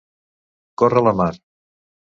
Córrer la mar.